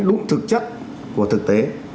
đúng thực chất của thực tế